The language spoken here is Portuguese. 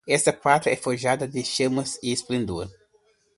Essa pátria é forjada de chama e esplendor